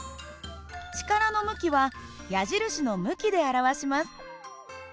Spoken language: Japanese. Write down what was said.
力の向きは矢印の向きで表します。